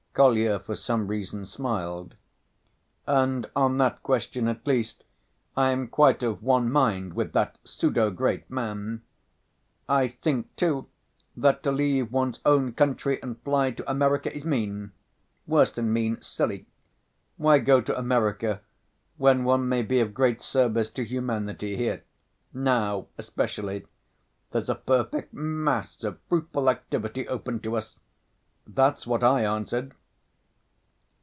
Kolya, for some reason, smiled, "And on that question at least I am quite of one mind with that pseudo‐great man. I think, too, that to leave one's own country and fly to America is mean, worse than mean—silly. Why go to America when one may be of great service to humanity here? Now especially. There's a perfect mass of fruitful activity open to us. That's what I answered."